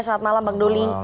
selamat malam bang doli